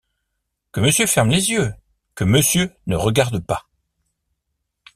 Que monsieur ferme les yeux ! que monsieur ne regarde pas !